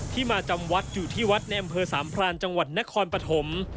มาจำวัดอยู่ที่วัดในอำเภอสามพรานจังหวัดนครปฐม